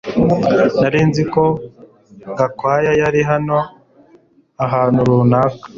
Nari nzi ko Gakwaya yari hano ahantu runaka